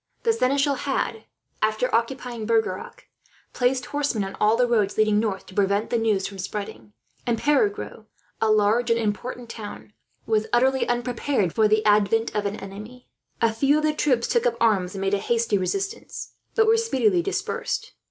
The seneschal had, after occupying Bergerac, placed horsemen on all the roads leading north, to prevent the news from spreading; and Perigueux, a large and important town, was utterly unprepared for the advent of an enemy. A few of the troops took up arms and made a hasty resistance, but were speedily dispersed.